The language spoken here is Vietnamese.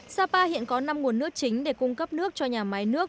sapa hiện có năm nguồn nước chính để cung cấp nước cho nhà máy nước